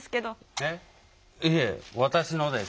えっいえ私のです。